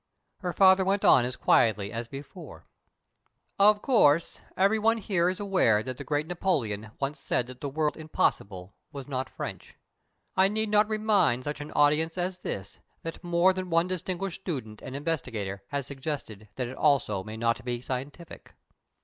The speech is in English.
Her father went on as quietly as before: "Of course, every one here is aware that the great Napoleon once said that the word 'impossible' was not French. I need not remind such an audience as this that more than one distinguished student and investigator has suggested that it also may not be scientific."